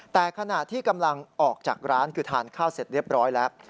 แต่ขณะที่กำลังออกจากร้านคือทานข้าวเสร็จเรียบร้อยแล้ว